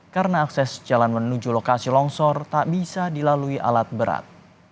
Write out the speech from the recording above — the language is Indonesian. karena akses jalan menuju lokasi longsor tak bisa dilalui alat berat